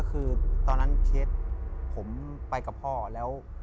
คือตอนนั้นเคสผมไปกับพ่อแล้ว